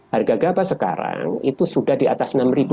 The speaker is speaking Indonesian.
harga gabah sekarang itu sudah di atas rp enam